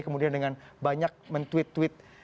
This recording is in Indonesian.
kemudian dengan banyak men tweet tweet